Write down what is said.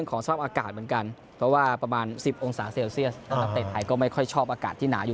ก็พร้อมครับก็คือพวกพี่เขาก็กระตุ้นกัน